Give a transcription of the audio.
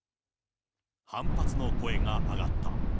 反発の声が上がった。